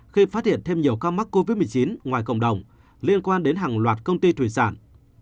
khi phát hiện thêm nhiều ca mắc covid một mươi chín ngoài cộng đồng liên quan đến hàng loạt công ty thủy sản